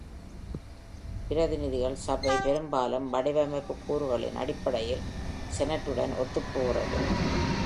பிரதிநிதிகள் சபை பெரும்பாலும் வடிவமைப்பு கூறுகளின் அடிப்படையில், செனட்டுடன் ஒத்துப்போகிறது.